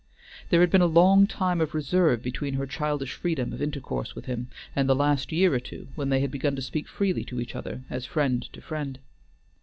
There had been a long time of reserve between her childish freedom of intercourse with him and the last year or two when they had begun to speak freely to each other as friend to friend.